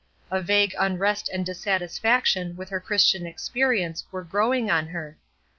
A vague unrest and dissatisfaction with her Christian experience were growing on her.